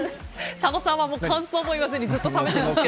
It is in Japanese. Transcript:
佐野さんは感想も言わずにずっと食べていますが。